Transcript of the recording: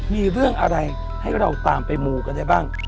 มีเรื่องอะไรให้เราตามไปมูกันได้บ้าง